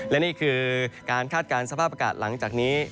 และนี่คือการคาดการณ์สภาพอากาศหลังจากนี้